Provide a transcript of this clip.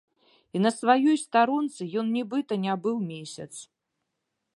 І на сваёй старонцы ён нібыта не быў месяц.